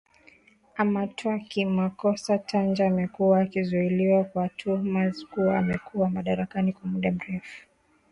amatwa kimakosa tanja amekuwa akizuiliwa kwa tuhma kuwa amekuwa madarakani kwa muda mrefu